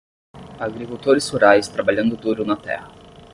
Agricultores rurais trabalhando duro na terra